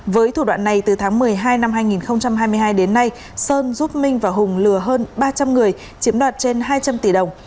với thủ đoạn này từ tháng một mươi hai năm hai nghìn hai mươi hai đến nay sơn giúp minh và hùng lừa hơn ba trăm linh người chiếm đoạt trên hai trăm linh tỷ đồng